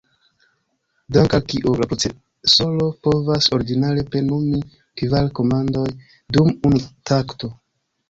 Dank’ al kio, la procesoro povas ordinare plenumi kvar komandoj dum unu takto.